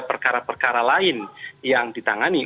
perkara perkara lain yang ditangani